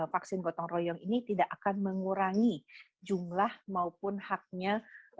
vaksin gotong royong ini tidak akan mengurangi jumlah maupun haknya